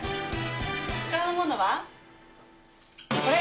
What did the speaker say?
使うものは、これ。